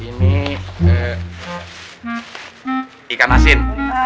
ini ikan asin